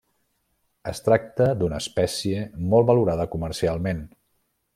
Es tracta d'una espècie molt valorada comercialment.